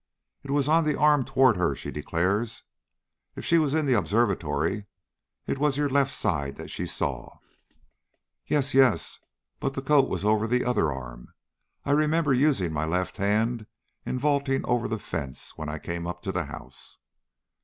"It was on the arm toward her, she declares. If she was in the observatory, it was your left side that she saw." "Yes, yes; but the coat was over the other arm. I remember using my left hand in vaulting over the fence when I came up to the house."